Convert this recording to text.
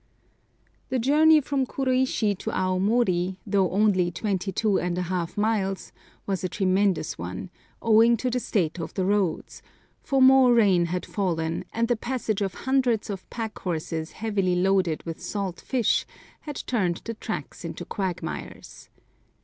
THE journey from Kuroishi to Aomori, though only 22½ miles, was a tremendous one, owing to the state of the roads; for more rain had fallen, and the passage of hundreds of pack horses heavily loaded with salt fish had turned the tracks into quagmires.